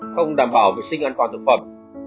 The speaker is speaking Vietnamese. không đảm bảo vệ sinh an toàn thực phẩm